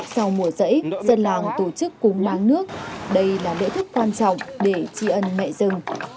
sau mùa rẫy dân làng tổ chức cúng máng nước đây là bữa thức quan trọng để tri ân mẹ rừng